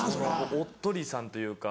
おっとりさんというか。